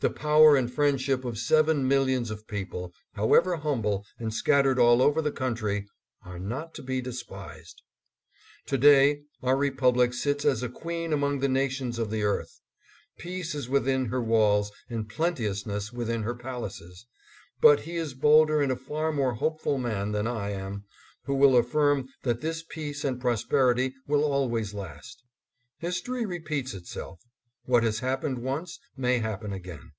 The power and friendship of seven millions of people, however humble and scattered all over the country, are not to be despised. To day our Republic sits as a queen among the nations of the earth. Peace is within her walls and plenteousness within her palaces, but he is bolder and a far more hopeful man than I am who will affirm that this peace and prosperity will always last. History repeats itself. What has happened once may happen again.